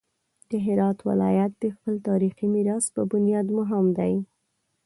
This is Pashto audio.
د هرات ولایت د خپل تاریخي میراث په بنیاد مهم دی.